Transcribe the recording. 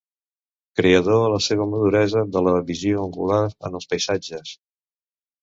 Creador, a la seva maduresa, de la visió angular en els paisatges.